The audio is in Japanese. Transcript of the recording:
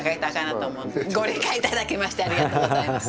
ご理解頂きましてありがとうございます。